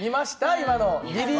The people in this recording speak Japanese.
今の。